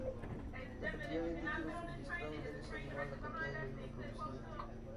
La cantidad de líquidos suministrados debe ser igual a la cantidad de orina producida.